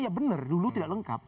ya benar dulu tidak lengkap